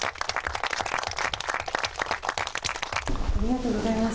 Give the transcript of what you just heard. ありがとうございます。